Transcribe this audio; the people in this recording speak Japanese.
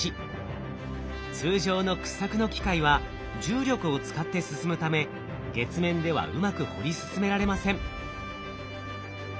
通常の掘削の機械は重力を使って進むため月面ではうまく掘り進められません。